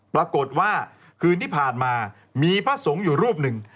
เมื่อคืนที่ผ่านมามีพระสงฆ์อยู่รูปหนึ่ง